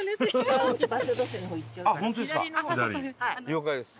了解です。